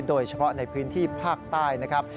โดยเฉพาะในพื้นที่ภาคใต้นะครับ